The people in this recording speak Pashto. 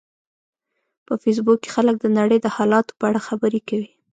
په فېسبوک کې خلک د نړۍ د حالاتو په اړه خبرې کوي